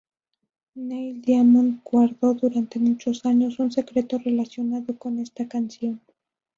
Neil Diamond guardó durante muchos años un secreto relacionado con esta canción.